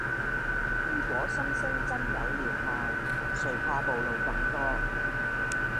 如果心聲真有療效，誰怕暴露更多